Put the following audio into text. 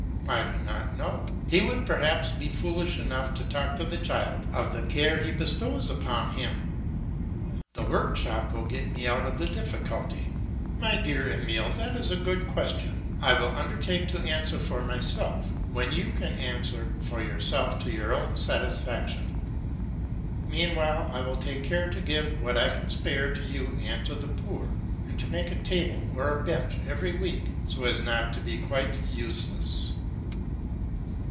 I do not know. He would perhaps be foolish enough to talk to the child of the care he bestows upon him. The workshop will get me out of the difficulty. "My dear Emile that is a very good question; I will undertake to answer for myself, when you can answer for yourself to your own satisfaction. Meanwhile I will take care to give what I can spare to you and to the poor, and to make a table or a bench every week, so as not to be quite useless."